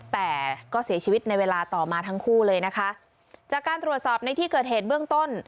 แต่ก็เสียชีวิตในเวลาต่อมาทั้งคู่เลยนะคะจากการตรวจสอบในที่เกิดเหตุเบื้องต้น